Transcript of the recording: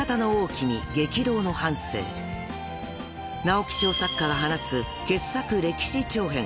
［直木賞作家が放つ傑作歴史長編］